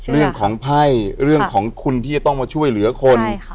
เรื่องของไพ่เรื่องของคุณที่จะต้องมาช่วยเหลือคน